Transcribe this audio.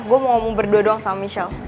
gue mau ngomong berdua doang sama michelle